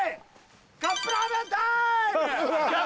カップラーメンタイム！